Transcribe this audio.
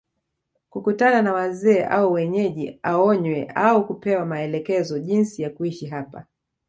kukutana na Wazee au Wenyeji aonywe au kupewa maelekezo jinsi ya kuishi hapa